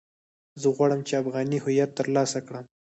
زه غواړم چې افغاني هويت ترلاسه کړم.